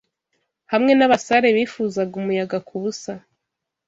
Hamwe nabasare bifuza umuyaga kubusa